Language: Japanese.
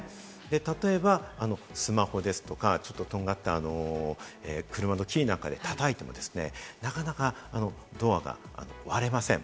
例えばスマホですとか、ちょっととんがった車のキーなんかで叩いてもなかなかドアが割れません。